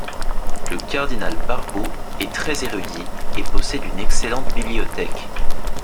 Le cardinal Barbo est très érudit et possède une excellente bibliothèque.